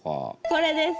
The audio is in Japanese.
これです。